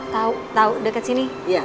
tau tau deket sini